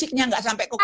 yang ini gak masuk